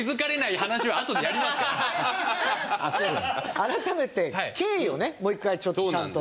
改めて経緯をねもう一回ちょっとちゃんと。